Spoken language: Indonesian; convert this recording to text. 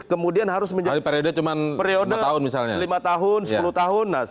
periode lima tahun sepuluh tahun